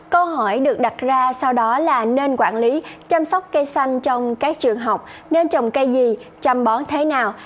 câu hỏi được đặt ra sau đó là nên quản lý chăm sóc cây xanh trong các trường học nên trồng cây gì chăm bón thế nào